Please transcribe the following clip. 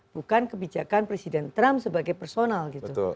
bukan kebijakan presiden trump sebagai personal gitu